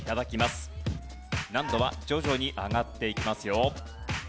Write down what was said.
難度は徐々に上がっていきますよ。